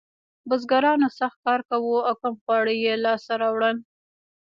بزګرانو سخت کار کاوه او کم خواړه یې لاسته راوړل.